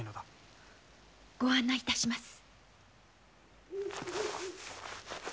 ご案内いたします。